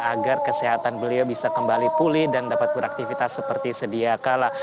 agar kesehatan beliau bisa kembali pulih dan dapat beraktifitas seperti sediakala